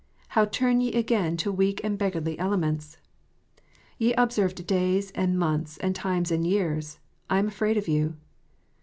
" How turn ye again to weak and beggarly elements?" "Ye observe days, and months, and times, and years. I am afraid of you."